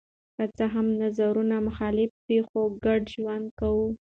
که څه هم نظرونه مختلف دي خو ګډ ژوند کوو.